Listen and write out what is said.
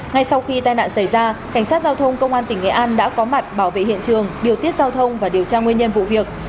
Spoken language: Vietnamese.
ngay sau khi tai nạn xảy ra cảnh sát giao thông công an tỉnh nghệ an đã có mặt bảo vệ hiện trường điều tiết giao thông và điều tra nguyên nhân vụ việc